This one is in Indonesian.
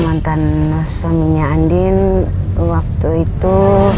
mantan suaminya andin waktu itu